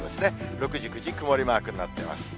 ６時、９時、曇りマークになってます。